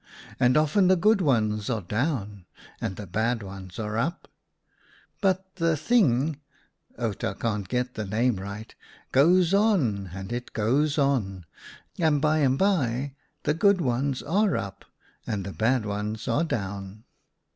And often the good ones are down and the bad ones are up. But the thing — Outa can't get the name right — goes on, and it goes on, and by and by the good ones are up and the bad ones are down."